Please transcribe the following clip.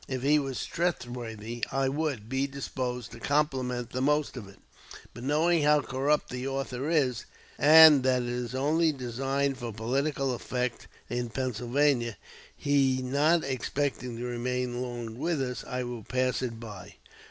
If he was trustworthy I would" be disposed to compliment the most of it, "but knowing how corrupt the author is, and that it is only designed for political effect in Pennsylvania, he not expecting to remain long with us, I will pass it by."